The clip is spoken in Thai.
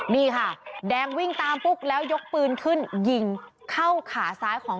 นี่ค่ะแดงวิ่งตามปุ๊บแล้วยกปืนขึ้นยิงเข้าขาซ้ายของ